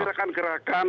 kalau ada gerakan gerakan